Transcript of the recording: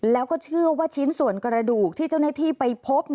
แล้วก็เชื่อว่าชิ้นส่วนกระดูกที่เจ้าหน้าที่ไปพบ